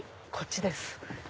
こっちです。